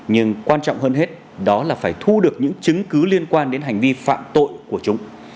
nhưng quan trọng hơn hết đó là phải thu được những chứng cứ liên quan đến hành vi phạm tội của chúng